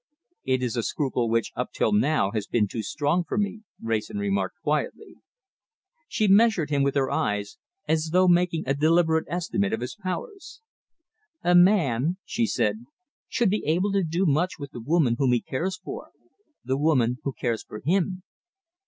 "It is a scruple which up till now has been too strong for me," Wrayson remarked quietly. She measured him with her eyes, as though making a deliberate estimate of his powers. "A man," she said, "should be able to do much with the woman whom he cares for the woman who cares for him."